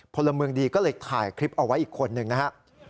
พลเมืองดีก็เลยถ่ายคลิปเอาไว้อีกคนหนึ่งนะฮะ